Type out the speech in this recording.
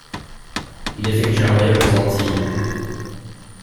Il effectue au un voyage aux Antilles.